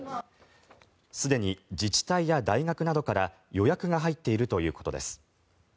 すでに自治体や大学などから予約が入っているということです。